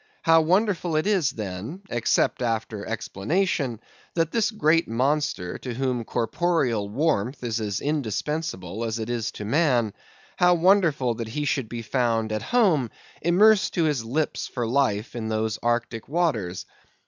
How wonderful is it then—except after explanation—that this great monster, to whom corporeal warmth is as indispensable as it is to man; how wonderful that he should be found at home, immersed to his lips for life in those Arctic waters!